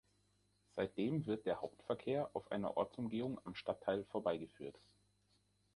Seitdem wird der Hauptverkehr auf einer Ortsumgehung am Stadtteil vorbeigeführt.